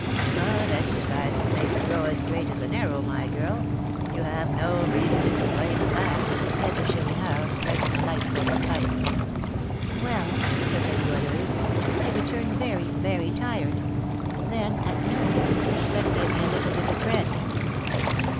"But exercise has made you grow as straight as an arrow, my girl; you have no reason to complain of that," said the Chourineur, striking a light for his pipe. "Well," said the Goualeuse, "I returned very, very tired; then, at noon, the Chouette gave me a little bit of bread."